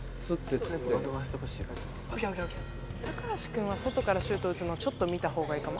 高橋くんは外からシュート打つのをちょっと見た方がいいかも。